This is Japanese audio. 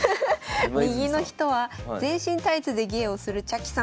右の人は全身タイツで芸をするちゃきさん。